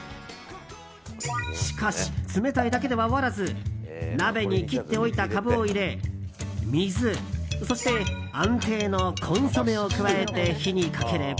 しかし冷たいだけでは終わらず鍋に切っておいたカブを入れ水、そして安定のコンソメを加えて火にかければ。